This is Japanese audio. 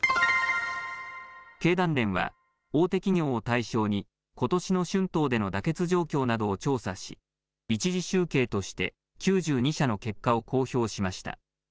経団連は大手企業を対象に、ことしの春闘での妥結状況などを調査し、１次集計として、９２社の結果を公表しました。